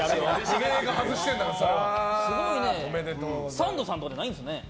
サンドさんとかはないんですね。